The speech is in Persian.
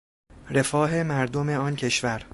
رفاه مردم آن کشور